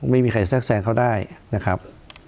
ไม่มีใครแทรกแซงเขาได้นะครับ